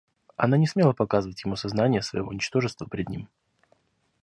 Она не смела показывать ему сознание своего ничтожества пред ним.